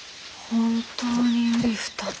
本当にうり二つ。